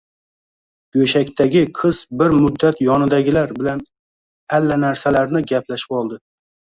Go`shakdagi qiz bir muddat yonidagilar bilan alalanarsalarni gaplashib oldi